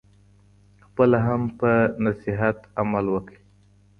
خپله هم په نصیحت عمل وکړئ.